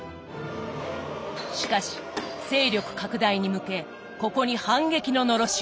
しかし勢力拡大に向けここに反撃ののろしを上げた。